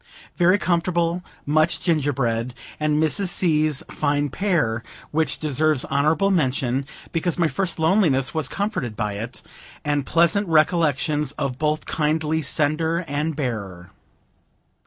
Very comfortable; munch gingerbread, and Mrs. C.'s fine pear, which deserves honorable mention, because my first loneliness was comforted by it, and pleasant recollections of both kindly sender and bearer.